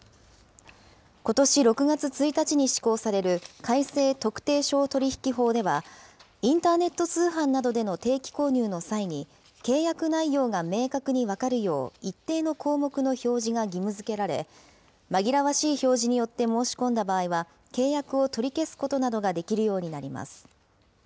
ことし６月１日に施行される改正特定商取引法では、インターネット通販などでの定期購入の際に、契約内容が明確に分かるよう、一定の項目の表示が義務づけられ、紛らわしい表示によって申し込んだ場合は、契約を取り消すことなどができるようになります。